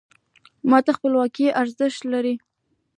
ما ته خپلواکي ارزښت لري .